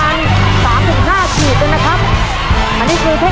เฮ้ยเฮ้ยสามนาทีทั้งหมดนะครับถูกถูก